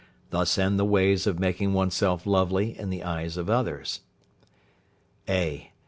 Thus end the ways of making oneself lovely in the eyes of others. (a).